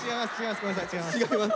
ごめんなさい違います。